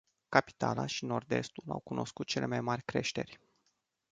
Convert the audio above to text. Capitala și nord-estul au cunoscut cele mai mari creșteri.